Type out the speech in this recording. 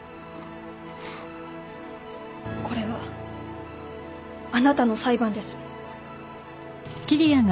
これはあなたの裁判です。